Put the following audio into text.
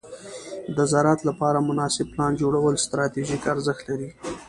د زراعت لپاره مناسب پلان جوړول ستراتیژیک ارزښت لري.